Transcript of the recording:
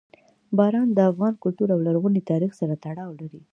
باران د افغان کلتور او لرغوني تاریخ سره تړاو لري.